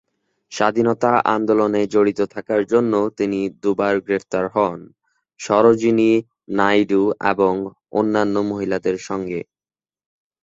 স্বাধীনতা আন্দোলনে জড়িত থাকার জন্য তিনি দু বার গ্রেফতার হন সরোজিনী নাইডু এবং অন্যান্য মহিলাদের সঙ্গে।